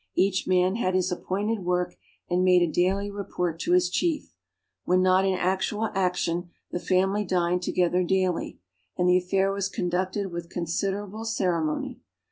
Each man had his appointed work and made a daily report to his chief. When not in actual action, the family dined together daily, and the affair was conducted with considerable ceremony.